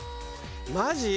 マジ？